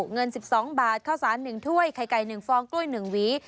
เงิน๑๒บาทข้าวสาร๑ถ้วยไข่ไก่๑ฟองกล้วย๑หวี